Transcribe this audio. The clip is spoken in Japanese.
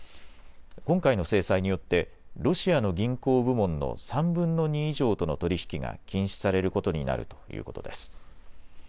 今回の制裁によってロシアの銀行部門の３分の２以上との取り引きが禁止されることになるということです。